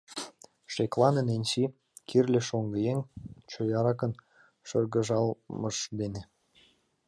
— Шеклане, Ненси! — кӱрльӧ шоҥгыеҥ чояракын шыргыжалмыж дене.